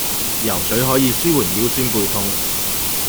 游水可以舒緩腰酸背痛